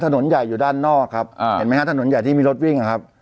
ถนนใหญ่อยู่ด้านนอกครับอ่าเห็นไหมฮะถนนใหญ่ที่มีรถวิ่งนะครับ